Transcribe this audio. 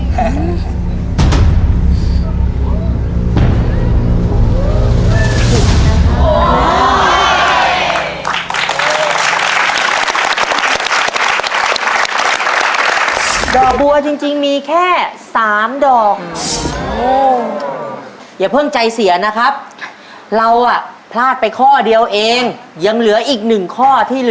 หนึ่งแสนหนึ่งแสนหนึ่งแสนหนึ่งแสน